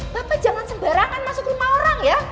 bapak jangan sembarangan masuk lima orang ya